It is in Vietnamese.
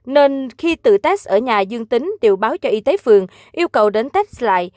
nên khi tự test ở nhà dương tính đều báo cho y tế phường yêu cầu đến test lại